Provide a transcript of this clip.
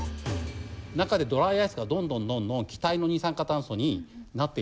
中でドライアイスがどんどんどんどん気体の二酸化炭素になっていってますから。